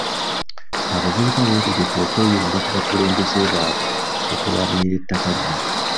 Abavubuka beetegefu okweyunga ku bakulembeze baabwe okulwanirira ettaka lino.